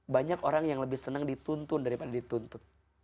banyak orang yang lebih senang dituntun daripada dituntut